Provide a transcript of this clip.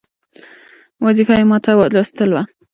وظیفه یې ماته لوستل وه.